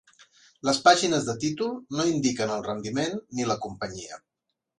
Les pàgines de títol no indiquen el rendiment ni la companyia.